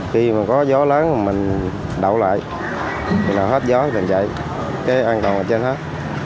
khi mà có gió lớn mình đậu lại khi nào hết gió thì chạy cái an toàn là trên hết